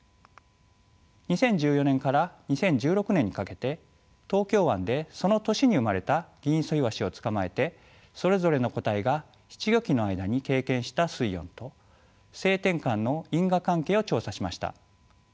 ２０１４年から２０１６年にかけて東京湾でその年に生まれたギンイソイワシを捕まえてそれぞれの個体が仔稚魚期の間に経験した水温と性転換の因果関係を調査しました。